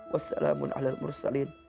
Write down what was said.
wassalamun ala mursalin